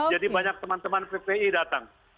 jadi banyak teman teman ppi datang